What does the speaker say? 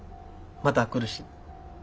また来るし。